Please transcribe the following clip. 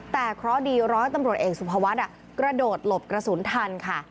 แต่เคราะห์ดีร้อยตำรวจเอกสุภวัฒน์กระโดดหลบกระสุนทันค่ะ